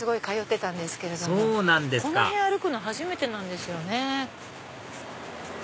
そうなんですかこの辺歩くの初めてなんですよね。